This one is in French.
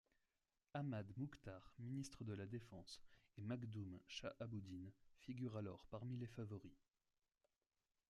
Ahmad Mukhtar, ministre de la défense, et Makhdoom Shahabuddin figurent alors parmi les favoris.